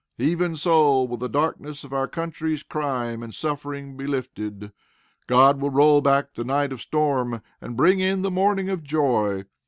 Even so will the darkness of our country's crime and suffering be lifted. God will roll back the night of storm, and bring in the morning of joy.